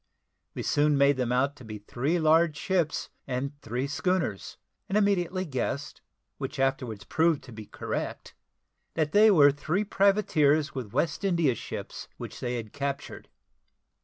We soon made them out to be three large ships and three schooners; and immediately guessed, which afterwards proved to be correct, that they were three privateers, with West India ships which they had captured.